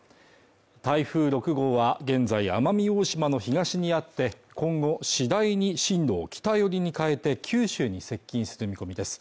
台風６号は現在奄美大島の東にあって今後次第に進路を北寄りに変えて九州に接近する見込みです